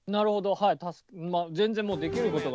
はい。